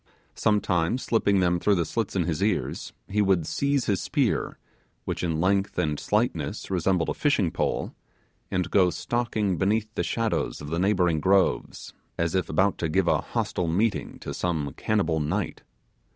Sometimes slipping them through the slits in his ears, he would seize his spear which in length and slightness resembled a fishing pole and go stalking beneath the shadows of the neighbouring groves, as if about to give a hostile meeting to some cannibal knight.